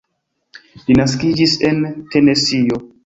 Li naskiĝis en Tenesio.